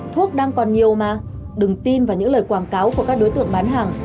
thuốc đang còn nhiều mà đừng tin vào những lời quảng cáo của các đối tượng bán hàng